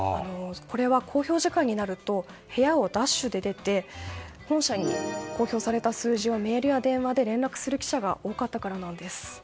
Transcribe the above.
これは公表時間になると部屋をダッシュで出て本社に公表された数字をメールや電話で連絡する記者が多かったからなんです。